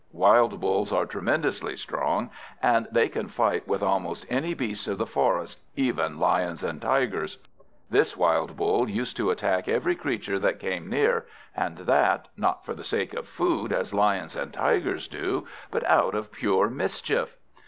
Wild Bulls are tremendously strong, and they can fight with almost any beast of the forest, even Lions and Tigers. This wild Bull used to attack every creature that came near; and that, not for the sake of food, as Lions and Tigers do, but out of pure mischief.